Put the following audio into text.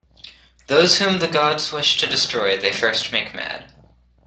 Those whom the gods wish to destroy, they first make mad.